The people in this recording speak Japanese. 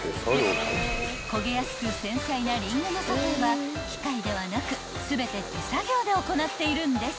［焦げやすく繊細なリンゴのソテーは機械ではなく全て手作業で行っているんです］